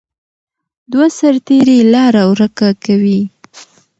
دوه سرتیري لاره ورکه کوي.